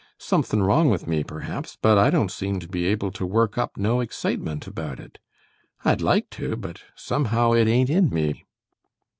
Somethin' wrong with me, perhaps, but I don't seem to be able to work up no excitement about it. I'd like to, but somehow it ain't in me."